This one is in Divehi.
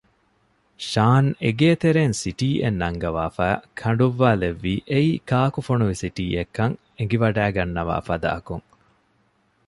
ޝާން އޭގެތެރޭން ސިޓީއެއް ނަންގަވާފައި ކަނޑުއްވާލެއްވީ އެއީ ކާކު ފޮނުވި ސިޓީއެއްކަން އެނގިވަޑައިގަންނަވާ ފަދައަކުން